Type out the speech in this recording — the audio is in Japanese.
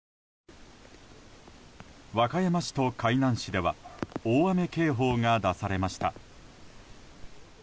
和歌山市と海南市では大雨警報が出されました。